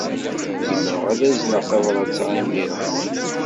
Zemreɣ ad azneɣ tabṛat-a imir-a?